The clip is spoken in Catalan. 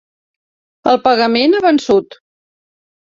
El pagament ha vençut.